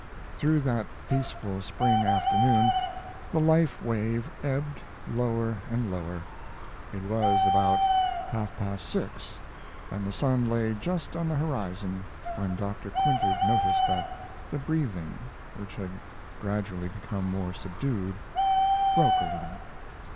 Through that peaceful spring afternoon the life wave ebbed lower and lower. It was about half past six, and the sun lay just on the horizon when Dr. Quintard noticed that the breathing, which had gradually become more subdued, broke a little.